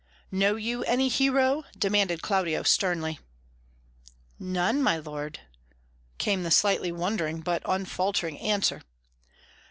"Know you any, Hero?" demanded Claudio sternly. "None, my lord," came the slightly wondering but unfaltering answer.